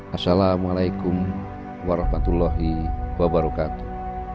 assalamualaikum warahmatullahi wabarakatuh